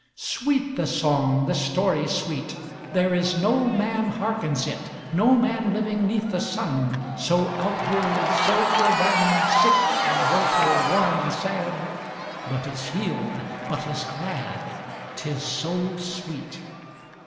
Sweet the song, the story sweet, There is no man hearkens it, No man living 'neath the sun, So outwearied, so fordone, Sick and woeful, worn and sad, But is healed, but is glad, 'Tis so sweet.